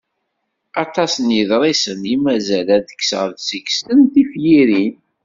Aṭas n yiḍrisen i mazal ad d-kkseɣ seg-sen tifyirin.